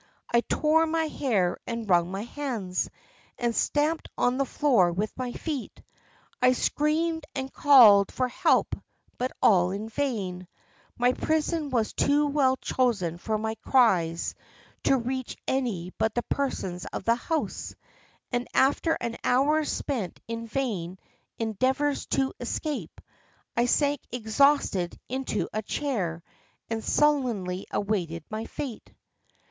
I tore my hair and wrung my hands, and stamped on the floor with my feet. I screamed and called for help, but all in vain: my prison was too well chosen for my cries to reach any but the persons of the house, and after an hour spent in vain endeavours to escape, I sank exhausted into a chair, and sullenly awaited my fate.